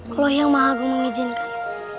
kalau yang maha agung mengizinkan